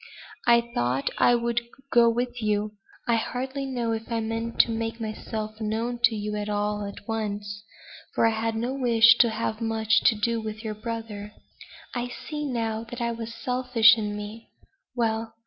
I thought I would go with you. I hardly know if I meant to make myself known to you all at once, for I had no wish to have much to do with your brother. I see now that it was selfish in me. Well!